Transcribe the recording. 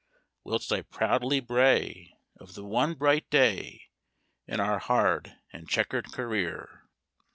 Whilst I proudly bray Of the one bright day In our hard and chequered career.